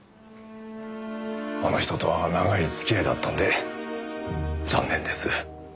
あの人とは長い付き合いだったんで残念です。